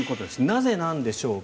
なぜなんでしょうか。